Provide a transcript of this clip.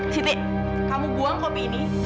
citi kamu buang kopi ini